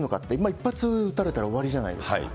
一発撃たれたら終わりじゃないですか。